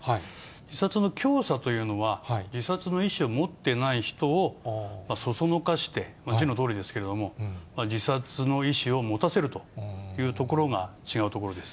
自殺の教唆というのは、自殺の意思を持ってない人をそそのかして、字のとおりですけれども、自殺の意思を持たせるというところが違うところです。